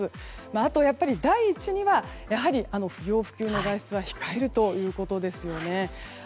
あと、第一には不要不急の外出は控えるということですよね。